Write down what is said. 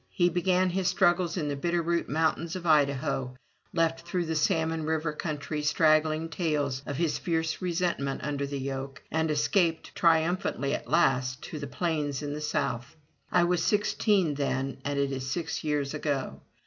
He began his struggles in the Bitterroot Mountains of Idaho, left through the Salmon River country straggling tales of his fierce resentment under the yoke, and escaped triumphantly at last to the plains in the south. *1 was sixteen then and it is six years ago.